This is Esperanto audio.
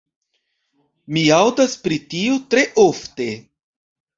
Mi aŭdas pri tio tre ofte.